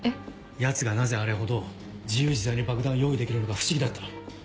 ヤツがなぜあれほど自由自在に爆弾を用意できるのか不思議だった。